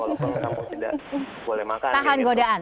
walaupun kampung tidak boleh makan